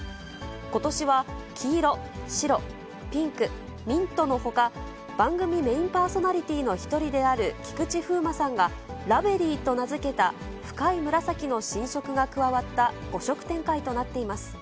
ことしは、黄色、白、ピンク、ミントのほか、番組メインパーソナリティーの一人である菊池風磨さんがラベリーと名付けた深い紫の新色が加わった、５色展開となっています。